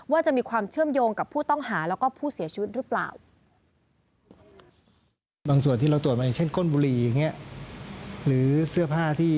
ว่าจะมีความเชื่อมโยงกับผู้ต้องหาและผู้เสียชุดหรือเปล่า